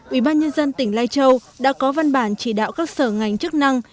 ubnd tỉnh lai châu đã có văn bản chỉ đạo các sở ngành chức năng